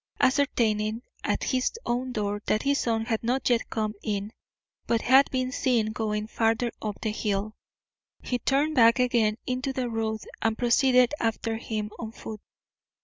Ascertaining at his own door that his son had not yet come in, but had been seen going farther up the hill, he turned back again into the road and proceeded after him on foot.